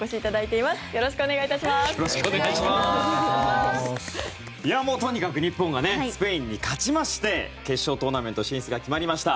いやもう、とにかく日本はスペインに勝ちまして決勝トーナメント進出が決まりました。